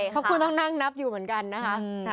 เพราะคุณต้องนั่งนับอยู่เหมือนกันนะคะ